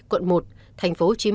quận một tp hcm